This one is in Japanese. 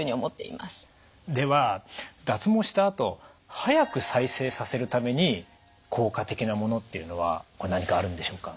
では脱毛したあと早く再生させるために効果的なものっていうのはこれ何かあるんでしょうか？